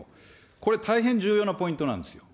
これ、大変重要なポイントなんですよ。